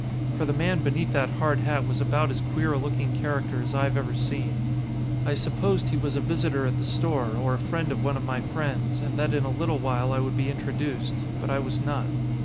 For the man beneath that hard hat was about as queer a looking character as I have ever seen. I supposed he was a visitor at the store, or a friend of one of my friends, and that in a little while I would be introduced. But I was not.